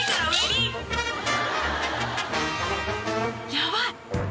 ヤバい。